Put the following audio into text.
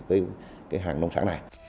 cái hàng nông sản này